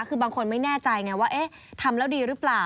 คือบางคนไม่แน่ใจไงว่าเอ๊ะทำแล้วดีหรือเปล่า